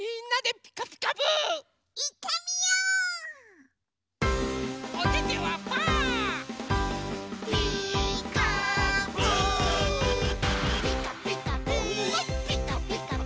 「ピカピカブ！ピカピカブ！」